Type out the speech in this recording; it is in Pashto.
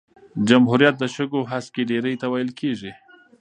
جمهوریت د شګو هسکی ډېرۍ ته ویل کیږي.